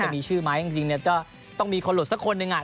ไม่มีชื่อมั้ยจริงเนี่ยก็ต้องมีคนหลดสักคนหนึ่งอ่ะ